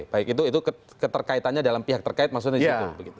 baik itu keterkaitannya dalam pihak terkait maksudnya gitu